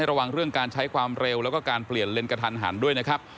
ระวังเรื่องการใช้ความเร็วแล้วก็การเปลี่ยนเลนกระทันหันด้วยนะครับ